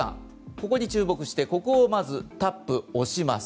ここに注目してここをまずタップ、押します。